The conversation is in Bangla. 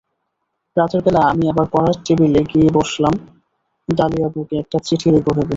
রাতের বেলা আমি আবার পড়ার টেবিলে গিয়ে বসলাম ডালিয়াবুকে একটা চিঠি লিখব ভেবে।